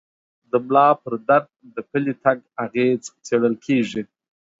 د ملا پر درد د پلي تګ اغېز څېړل کېږي.